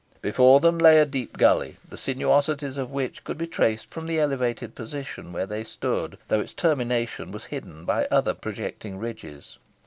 Before them lay a deep gully, the sinuosities of which could be traced from the elevated position where they stood, though its termination was hidden by other projecting ridges.